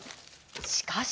しかし。